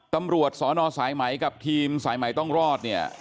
ตำรวจสอนอสายไหมกับทีมสายใหม่ต้องรอดเนี่ย